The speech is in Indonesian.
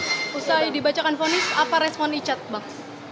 usai dibacakan ponis apa respon richard mbak